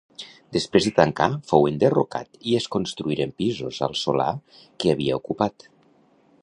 Després de tancar, fou enderrocat i es construïren pisos al solar que havia ocupat.